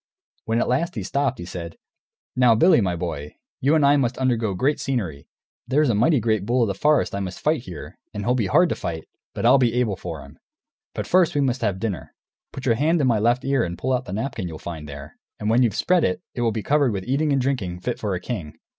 When at last he stopped he said, "Now, Billy, my boy, you and I must undergo great scenery; there's a mighty great bull of the forest I must fight, here, and he'll be hard to fight, but I'll be able for him. But first we must have dinner. Put your hand in my left ear and pull out the napkin you'll find there, and when you've spread it, it will be covered with eating and drinking fit for a king."